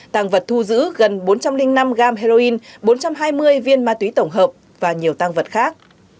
tàng vật thu giữ gần bốn trăm linh năm gram heroin bốn trăm hai mươi viên ma túy tổng hợp và nhiều tăng vật khác